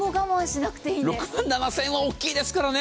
６万７０００円は大きいですからね。